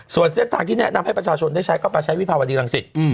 ส่วนเส้นทางที่แนะนำให้ประชาชนได้ใช้ก็ไปใช้วิภาวดีรังสิต